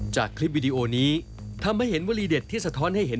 จากคลิปวิดีโอนี้ทำให้เห็นวลีเด็ดที่สะท้อนให้เห็น